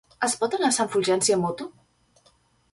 Es pot anar a Sant Fulgenci amb moto?